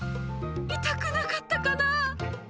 痛くなかったかな。